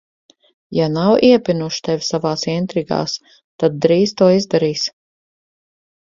Ja nav iepinuši tevi savās intrigās, tad drīz to izdarīs.